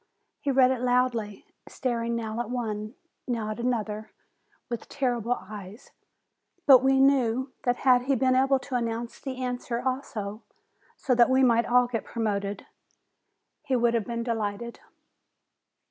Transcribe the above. He read it loudly, star ing now at one, now at another, with terrible eyes; but we knew that had he been able to announce the answer also, so that we might all get promoted, he would have been delighted.